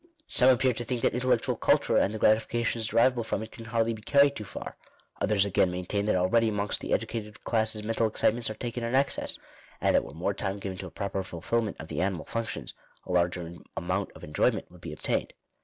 Some appear to think that intellectual culture and the gratifications deriveable from it can hardly be carried too far. Others again maintain that already amongst the edu cated classes mental excitements are taken in excess ; and that were more time given to a proper fulfilment of the animal functions, a larger amount of enjoyment would be obtained.